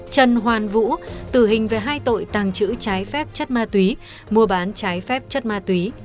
trần hoàn vũ tử hình về hai tội tàng trữ trái phép chất ma túy mua bán trái phép chất ma túy